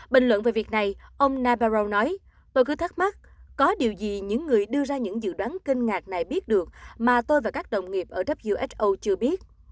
bình luận về việc này ông nabarow nói tôi cứ thắc mắc có điều gì những người đưa ra những dự đoán kinh ngạc này biết được mà tôi và các đồng nghiệp ở rất ưso chưa biết